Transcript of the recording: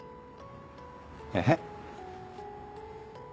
えっ？